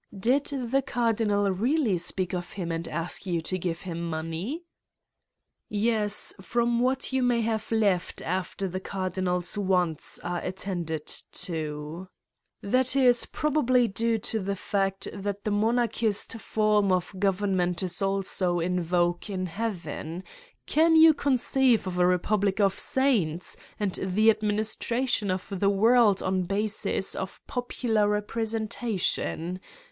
"Did the Cardinal really speak of him and ask you to give him money?" "Yes, from what you may have left after the Cardinal's wants are attended to." "That is probably due to the fact that the monarchist form of government is also in vogue in heaven. Can you conceive of a republic of saints and the administration of the world on the basis of popular representation?